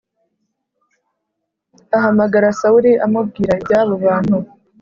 ahamagara Sawuli amubwira ibyabo bantu